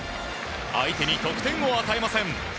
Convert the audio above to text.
相手に得点を与えません。